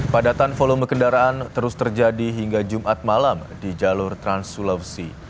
padatan volume kendaraan terus terjadi hingga jumat malam di jalur trans sulawesi